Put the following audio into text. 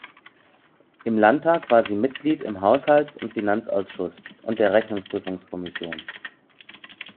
Im Landtag war sie Mitglied im Haushalts- und Finanzausschuss und der Rechnungsprüfungskommission.